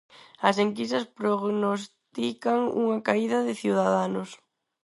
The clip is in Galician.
As enquisas prognostican unha caída de Ciudadanos.